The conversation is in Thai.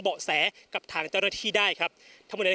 พร้อมด้วยผลตำรวจเอกนรัฐสวิตนันอธิบดีกรมราชทัน